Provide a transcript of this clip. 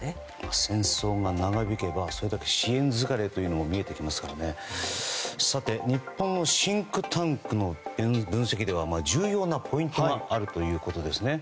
戦争が長引けばそれだけ支援疲れも見えてきますから日本のシンクタンクの分析では重要なポイントがあるということです。